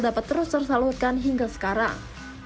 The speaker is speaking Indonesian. dapat terus tersalurkan hingga sekarang